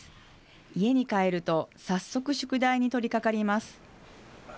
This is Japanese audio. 家に帰ると、早速宿題に取りかかります。